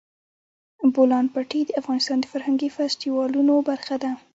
د بولان پټي د افغانستان د فرهنګي فستیوالونو برخه ده.